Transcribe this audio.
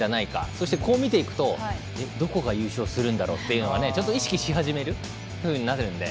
そしてこう見ていくとどこが優勝するんだろうとちょっと意識し始めるふうになるので。